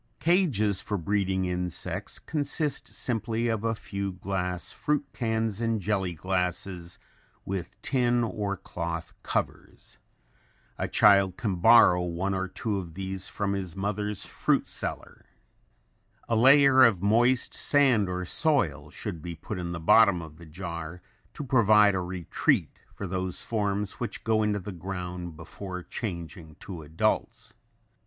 Cages for breeding insects consist simply of a few glass fruit cans and jelly glasses with tin or cloth covers. A child can borrow one or two of these from his mother's fruit cellar. A layer of moist sand or soil should be put in the bottom of the jar to provide a retreat for those forms which go into the ground before changing to adults.